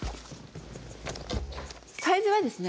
サイズはですね